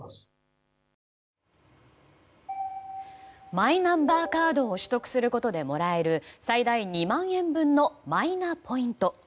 マイナンバーカードを取得することでもらえる最大２万円分のマイナポイント。